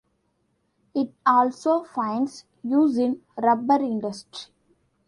It also finds use in rubber industry.